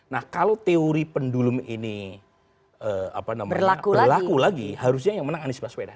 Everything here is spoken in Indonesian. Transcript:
nah kalau teori pendulum ini berlaku lagi harusnya yang menang anies baswedan